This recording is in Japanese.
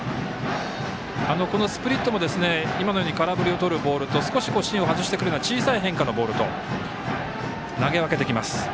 このスプリットも空振りをとるボールと少し芯を外してくるような小さい変化のボールと投げ分けてきます。